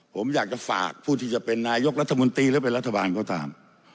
ผมอยากจะฝากผู้ที่จะเป็นนายกรัฐมนตรีหรือเป็นรัฐบาลก็ตาม